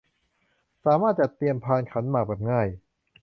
สามารถจัดเตรียมพานขันหมากแบบง่าย